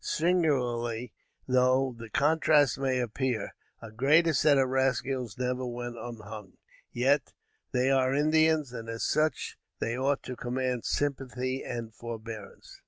Singular though the contrast may appear, a greater set of rascals never went unhung; yet, they are Indians, and, as such, they ought to command sympathy and forbearance.